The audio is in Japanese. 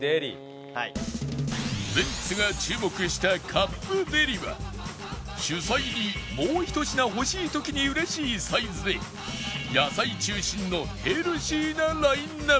ウエンツが注目したカップデリは主菜にもうひと品欲しい時に嬉しいサイズで野菜中心のヘルシーなラインアップ